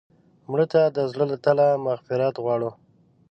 مړه ته د زړه له تله مغفرت غواړو